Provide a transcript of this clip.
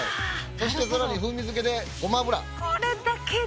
そして更に風味づけでごま油。